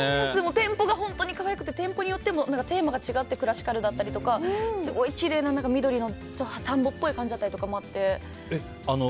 店舗が本当に可愛くて店舗によってもテーマが違ってクラシカルだったりとかすごいきれいな緑の田んぼっぽい感じもあって。